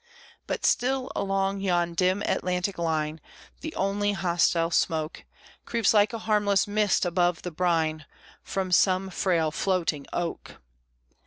But still, along yon dim Atlantic line, The only hostile smoke Creeps like a harmless mist above the brine, From some frail floating oak.